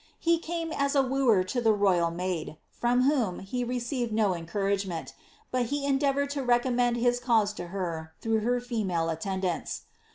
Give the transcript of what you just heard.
He came as a wooer to the royal maid, from whom he received no encouragement, but he endeavoured to recommend his cause to her through her female attendants.